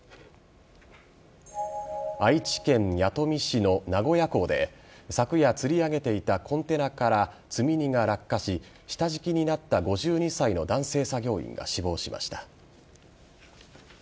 愛知県弥富市の名古屋港で昨夜つり上げていたコンテナから積荷が落下し、下敷きになった５２歳の男性作業員が死亡しました。